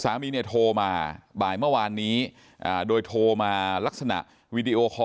คุณสามีโทรมาบ่ายเมื่อวานนี้โดยโทรมาลักษณะวิดีโอคอ